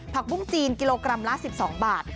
ปุ้งจีนกิโลกรัมละ๑๒บาท